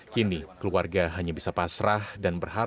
kini keluarga hanya bisa pasrah dan berharap